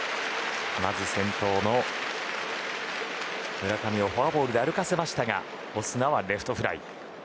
先頭の村上をフォアボールで歩かせましたがオスナはレフトフライ。